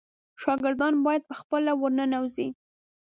شاګردان باید په خپله ورننوزي.